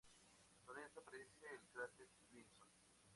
Al noroeste aparece el cráter Grissom.